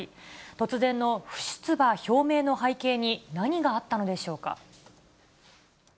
突然の不出馬表明の背景に何があったのでしょうか。